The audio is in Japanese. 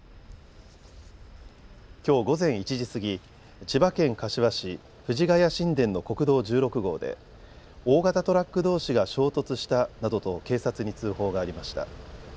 きょう午前１時過ぎ千葉県柏市藤ケ谷新田の国道１６号で大型トラックどうしが衝突したなどと警察に通報がありました。